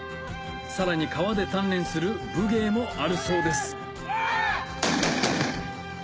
さらに川で鍛錬する武芸もあるそうです